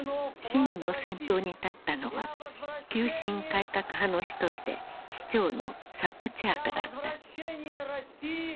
市民の先頭に立ったのは急進改革派の一人で市長のサプチャークだった。